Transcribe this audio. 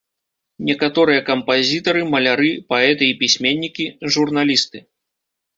Некаторыя кампазітары, маляры, паэты і пісьменнікі, журналісты.